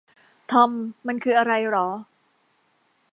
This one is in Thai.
ทอม มันคืออะไรหรอ